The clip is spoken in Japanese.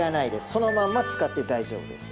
そのまんま使って大丈夫です。